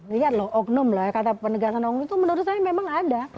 lihat lho oknum loh kata penegasan orang itu menurut saya memang ada